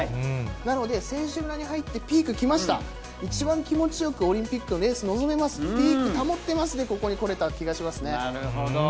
なので、選手村に入ってピーク来ました、一番気持ちよくオリンピックのレースに臨めます、ピーク保ってます、で、なるほど。